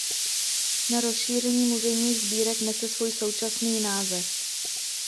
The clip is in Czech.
Po rozšíření muzejních sbírek nese svůj současný název.